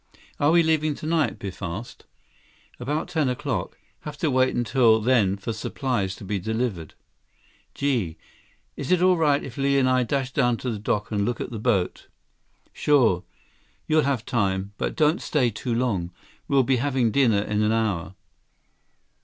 "Are we leaving tonight?" Biff asked. "About ten o'clock. Have to wait until then for supplies to be delivered." "Gee, is it all right if Li and I dash down to the dock and look at the boat?" "Sure. You'll have time. But don't stay too long. We'll be having dinner in an hour."